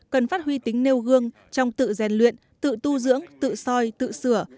cần phát huy tính nêu gương trong tự rèn luyện tự tu dưỡng tự soi tự sửa